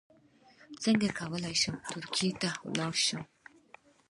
څنګه کولی شم ترکیې ته لاړ شم